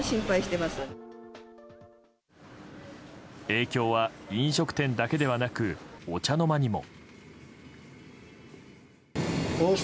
影響は飲食店だけではなくお茶の間にも。